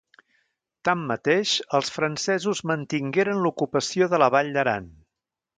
Tanmateix, els francesos mantingueren l'ocupació de la Vall d'Aran.